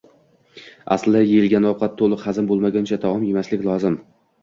Aslida, yeyilgan ovqat to‘liq hazm bo‘lmaguncha taom yemaslik lozim.